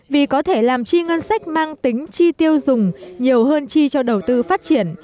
để làm chi ngân sách mang tính chi tiêu dùng nhiều hơn chi cho đầu tư phát triển